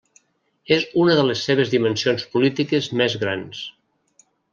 És una de les seves dimensions polítiques més grans.